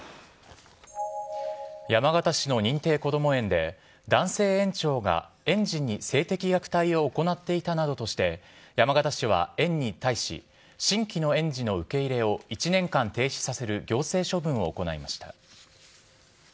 山形市の認定こども園で、男性園長が園児に性的虐待を行っていたなどとして、山形市は園に対し、新規の園児の受け入れを１年間停止させる行政処分を行いました。